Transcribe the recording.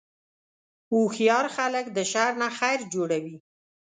هوښیار خلک د شر نه خیر جوړوي.